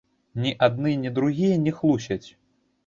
Ні адны, ні другія не хлусяць.